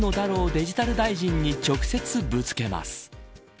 デジタル大臣に直接ぶつけます。